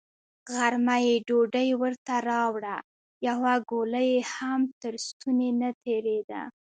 غرمه يې ډوډۍ ورته راوړه، يوه ګوله يې هم تر ستوني نه تېرېده.